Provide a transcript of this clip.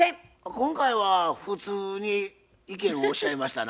今回は普通に意見をおっしゃいましたな。